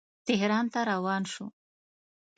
تهران ته روان شو.